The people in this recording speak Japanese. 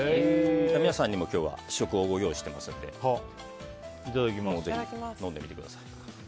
皆さんにも今日は試食をご用意してますのでぜひ飲んでみてください。